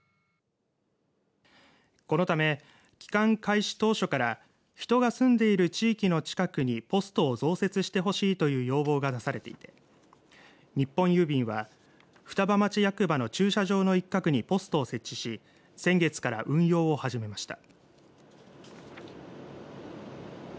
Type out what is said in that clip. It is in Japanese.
このため帰還開始当初から人が住んでいる地域の近くにポストを増設してほしいと要望が出されていて日本郵便は双葉町役場の駐車場の一角にポストを設置し先月から運用を始めました。